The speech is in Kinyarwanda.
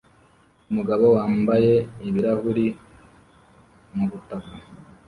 Umugabo wambaye ibirahuri mubutaka